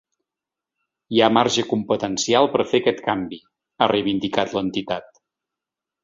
“Hi ha marge competencial per fer aquest canvi”, ha reivindicat l’entitat.